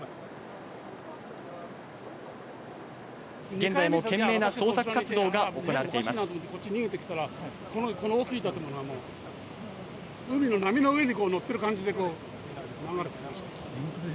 現在も懸命な捜索活動が行われてこの大きい建物がもう、海の波の上にこう、乗ってる感じでこう、流れてきました。